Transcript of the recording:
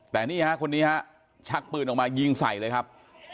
แต่นี่ฮะคนนี้ฮะชักปืนออกมายิงใส่เลยครับ